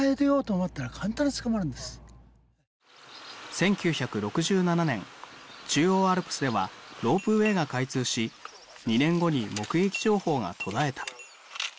１９６７年中央アルプスではロープウェーが開通し２年後に目撃情報が途絶えた。